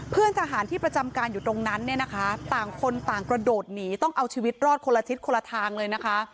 เพื่อนทหารที่ประจำการอยู่ตรงนั้นเนี่ยนะคะต่างคนต่างกระโดดหนีต้องเอาชีวิตรอดคนละทิศคนละทางเลยนะคะ